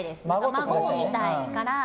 孫を見たいから。